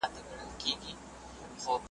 ډېر په تنګ شو.